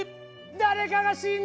誰かが死んだ時。